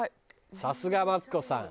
さすがマツコさん。